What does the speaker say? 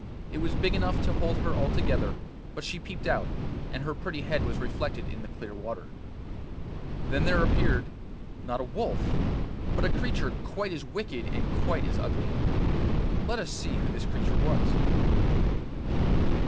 It was big enough to hold her altogether, but she peeped out, and her pretty head was reflected in the clear water. Then there appeared, not a wolf, but a creature quite as wicked and quite as ugly. Let us see who this creature was.